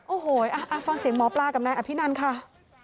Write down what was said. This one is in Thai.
โอ้โหฟังเสียงหมอปลากับนายอภินันค่ะ